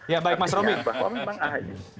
ya baik mas romi